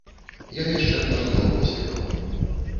І яшчэ пажадаў поспехаў.